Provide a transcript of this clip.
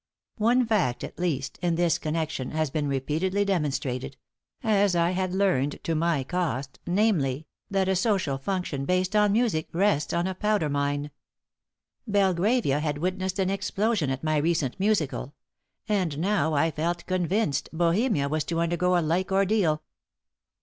One fact, at least, in this connection has been repeatedly demonstrated as I had learned to my cost namely, that a social function based on music rests on a powder mine. Belgravia had witnessed an explosion at my recent musical. And now, I felt convinced, bohemia was to undergo a like ordeal.